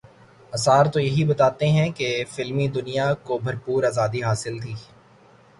آثار تو یہی بتاتے ہیں کہ فلمی دنیا کو بھرپور آزادی حاصل تھی۔